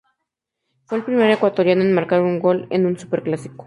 Fue el primer ecuatoriano en marcar un gol en un superclásico.